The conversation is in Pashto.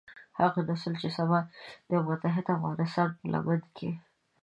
هغه نسل چې سبا د يوه متحد افغانستان په لمن کې.